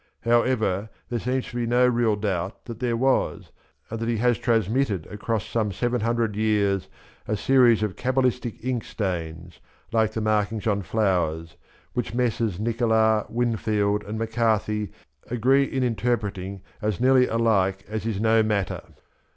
However, there seems to be no real doubt that there was, and that he has transmitted across some seven hundred years a series of cabalistic al ink stains, — like the markings on flowers, — which Messrs, Nicolas, Whinfield, and McCarthy agree in interpreting as nearly alike as is no matter.